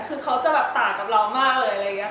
คือเขาจะต่างกับเรามากเลย